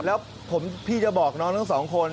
แล้วพี่จะบอกน้องทั้งสองคน